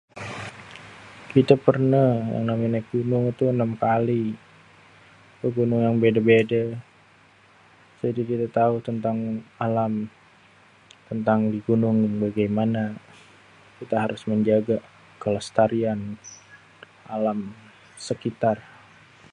Kite perneh yang namenye naek gunung itu 6 kali, ke gunung yang bede-bede. Itu juga udeh tau tentang alam, tentang gunung bagemane, kita harus menjaga kelestarian alam sekitar.